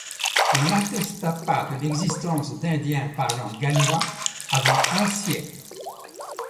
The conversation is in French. On n'attesta pas de l'existence d'Indiens parlant gallois avant un siècle.